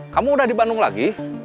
kamu udah di bandung lagi